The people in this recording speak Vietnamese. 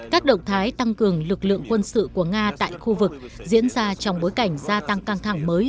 các động thái tăng cường lực lượng quân sự của nga tại khu vực diễn ra trong bối cảnh gia tăng căng thẳng mới